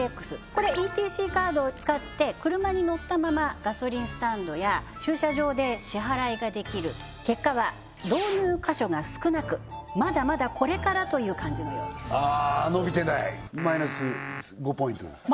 これＥＴＣカードを使って車に乗ったままガソリンスタンドや駐車場で支払いができる結果は導入箇所が少なくまだまだこれからという感じのようですああ伸びてないマイナス５ポイントです